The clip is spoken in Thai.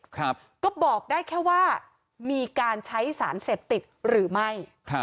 ก็บอกได้แค่ว่ามีการใช้สารเสพติดหรือไม่